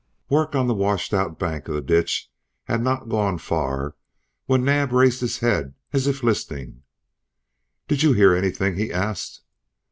Work on the washed out bank of the ditch had not gone far when Naab raised his head as if listening. "Did you hear anything?" he asked.